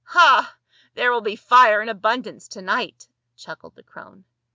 " Ha ! there will be fire in abundance to night," chuckled the crone.